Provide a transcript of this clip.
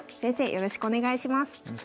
よろしくお願いします。